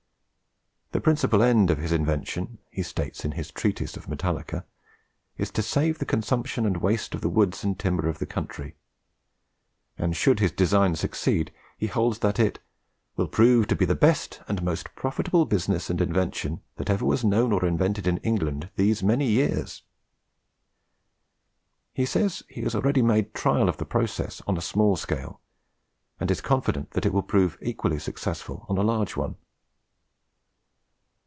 The principal end of his invention, he states in his Treatise of Metallica, is to save the consumption and waste of the woods and timber of the country; and, should his design succeed, he holds that it "will prove to be the best and most profitable business and invention that ever was known or invented in England these many yeares." He says he has already made trial of the process on a small scale, and is confident that it will prove equally successful on a large one.